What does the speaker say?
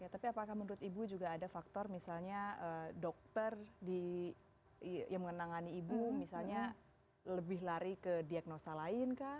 tapi apakah menurut ibu juga ada faktor misalnya dokter yang menangani ibu misalnya lebih lari ke diagnosa lain kah